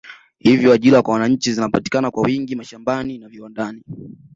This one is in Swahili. Hivyo ajira kwa wananchi zinapatikana kwa wingi mashambani na viwandani